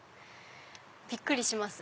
びっくりします？